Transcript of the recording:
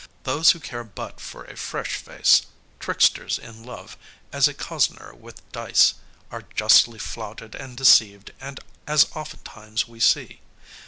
Those who care but for a fresh face tricksters in love as a cozener with dice are justly flouted and deceived, as oftentimes we see.